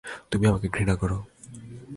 তুমি আমাকে ঘৃণা করো।